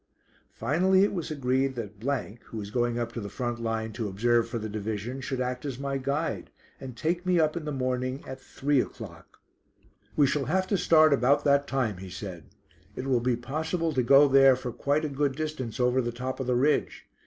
Finally it was agreed that , who was going up to the front line to observe for the division, should act as my guide, and take me up in the morning at three o'clock. "We shall have to start about that time," he said; "it will be possible to go there for quite a good distance over the top of the ridge.